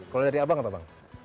kalau dari abang apa